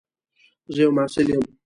زه یو محصل یم.